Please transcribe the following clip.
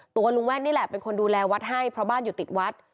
ตัวลุงแว่นนี่แหละเป็นคนดูแลวัดให้เพราะบ้านอยู่ติดวัด